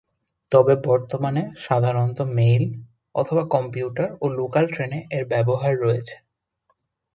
তবে বর্তমানে সাধারণত মেইল/কমিউটার ও লোকাল ট্রেনে এর ব্যবহার রয়েছে।